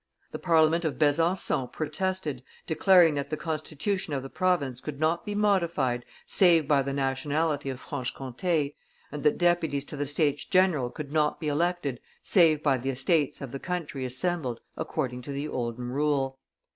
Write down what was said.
The Parliament of Besancon protested, declaring that the constitution of the province could not be modified save by the nationality of Franche Comte, and that deputies to the States general could not be elected save by the estates of the country assembled according to the olden rule.